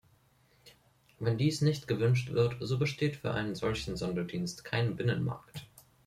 Wenn dies nicht gewünscht wird, so besteht für einen solchen Sonderdienst kein Binnenmarkt.